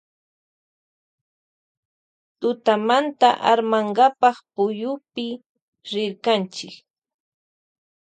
Tutamante rirkanchi armankapa pukyupi.